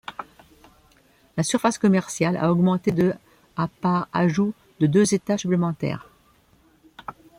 La surface commerciale a augmenté de à par ajout de deux étages supplémentaires.